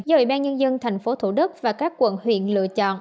do ủy ban nhân dân tp hcm và các quận huyện lựa chọn